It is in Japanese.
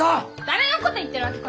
誰のこと言ってるわけ。